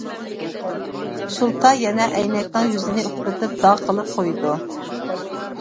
شۇلتا يەنە ئەينەكنىڭ يۈزىنى ئۇپرىتىپ داغ قىلىپ قويىدۇ.